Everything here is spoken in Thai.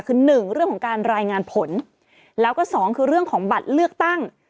คือหนึ่งเรื่องของการรายงานผลแล้วก็สองคือเรื่องของบัตรเลือกตั้ง